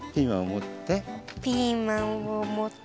ピーマンをもって。